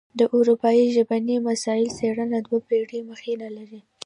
د اروايي ژبني مسایلو څېړنه دوه پېړۍ مخینه لري